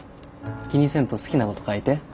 気にせんと好きなこと書いて。